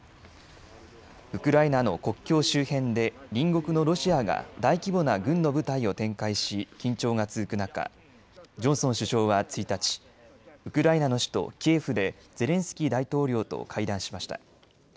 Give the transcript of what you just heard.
ウクライナの国境周辺で隣国のロシアが大規模な軍の部隊を展開し緊張が続く中、ジョンソン首相は１日、ウクライナの首都キエフでゼレンスキー大統領と会談しました。